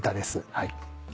はい。